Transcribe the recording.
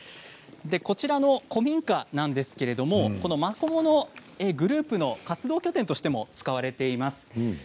こちらの古民家なんですけれどもマコモのグループの活動拠点としても使われています。